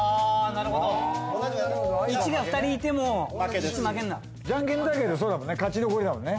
なるほど１が２人いても負けですじゃんけん大会でもそうだもんね勝ち残りだもんね